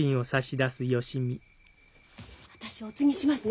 私おつぎしますね。